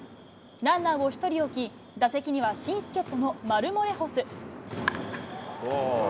ランナーを１人置き、打席には新助っ人のマルモレホス。